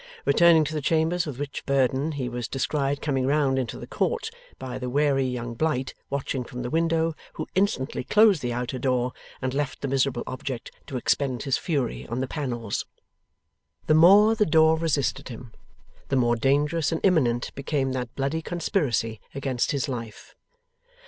Returning to the Chambers with which burden, he was descried coming round into the court, by the wary young Blight watching from the window: who instantly closed the outer door, and left the miserable object to expend his fury on the panels. The more the door resisted him, the more dangerous and imminent became that bloody conspiracy against his life.